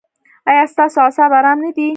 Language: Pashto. ایا ستاسو اعصاب ارام نه دي؟